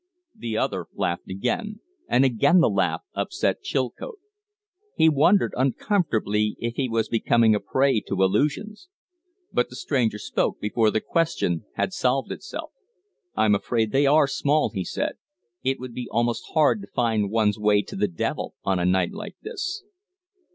The other laughed again, and again the laugh upset Chilcote. He wondered uncomfortably if he was becoming a prey to illusions. But the stranger spoke before the question had solved itself. "I'm afraid they are small," he said. "It would be almost hard to find one's way to the devil on a night like this."